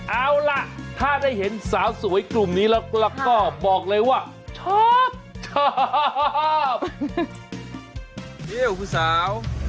เอาล่ะถ้าได้เห็นสาวสวยกลุ่มนี้แล้วก็บอกเลยว่าชอบชอบ